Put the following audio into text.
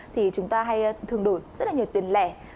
thì chúng ta hay thường đổi rất là nhiều tiền lẻ